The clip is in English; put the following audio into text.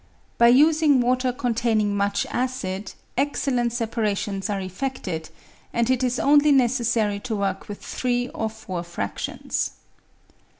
By using water containing much acid, excel lent separations are effected, and it is only necessary to work with three or four fractions.